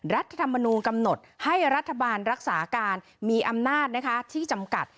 รัฐธรรมนูลกำหนดให้รัฐบาลรักษาการมีอำนาจที่จำกัด